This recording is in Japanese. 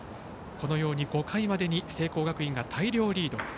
このように５回までに聖光学院が大量リード。